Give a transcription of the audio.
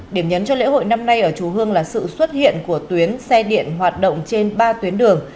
điểm nhấn cho lễ hội năm nay ở chùa hương là sự xuất hiện của tuyến xe điện hoạt động trên ba tuyến đường